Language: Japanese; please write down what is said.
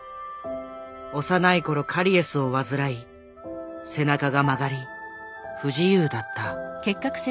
幼い頃カリエスを患い背中が曲がり不自由だった。